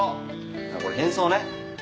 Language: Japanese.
あっこれ変装ね。